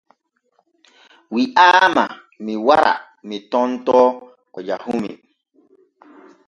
Wi’aama mi wara mi tontoo ko jahumi.